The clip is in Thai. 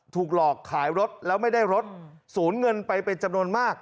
ถูกหลอกขายรถแล้วไม่ได้รถสูญเงินไปเป็นจำนวนมาก